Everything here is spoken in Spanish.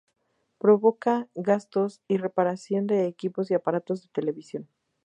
Provoca gastos y reparaciones de equipos y aparatos de televisión.